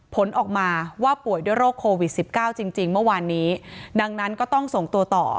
ผลออกมาว่าป่วยด้วยโรคโควิดสิบเก้าจริงจริงเมื่อวานนี้ดังนั้นก็ต้องส่งตัวต่อ